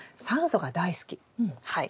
はい。